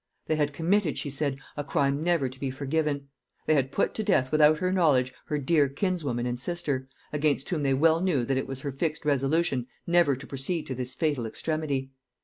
They had committed, she said, a crime never to be forgiven; they had put to death without her knowledge her dear kinswoman and sister, against whom they well knew that it was her fixed resolution never to proceed to this fatal extremity.